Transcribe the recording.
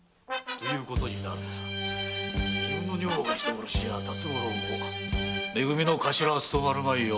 自分の女房が人殺しじゃ辰五郎もめ組の頭はつとまるまいよ。